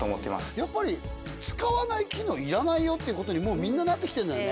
やっぱり使わない機能いらないよっていう事にもうみんななってきてるんだよね。